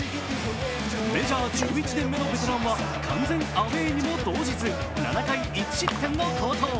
メジャー１１年目のベテランは完全アウェーにも動じず７回１失点の好投。